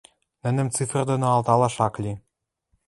Нӹнӹм цифр доно алталаш ак ли.